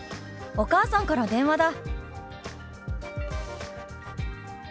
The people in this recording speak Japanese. お母さんから電話だ」。